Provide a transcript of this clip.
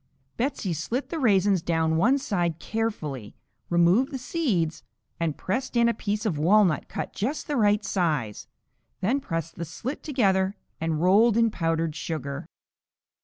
Betsey slit the raisins down one side carefully, removed the seeds and pressed in a piece of walnut cut just the right size, then pressed the slit together and rolled in powdered sugar.